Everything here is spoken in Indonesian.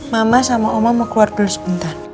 mama sama oma mau keluar dulu sebentar